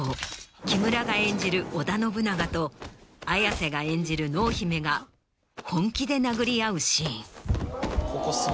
木村が演じる織田信長と綾瀬が演じる濃姫が本気で殴り合うシーン。